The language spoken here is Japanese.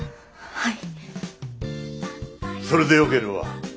はい。